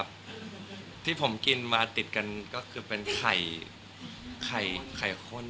ตอนนี้ภาพกำลังจะฝันมาจากแฟน